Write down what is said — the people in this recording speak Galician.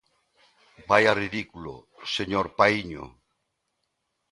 ¡Vaia ridículo, señor Paíño!